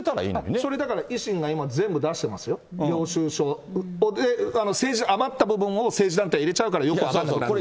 それ、だから維新が今、全部出していますよ、領収書、余った部分を政治団体、入れちゃうから、よく分かんなくなっている。